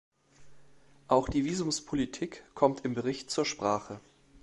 Auch die Visumspolitik kommt im Bericht zur Sprache.